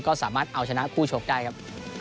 ก็สามารถเอาชนะคู่ชกได้ครับ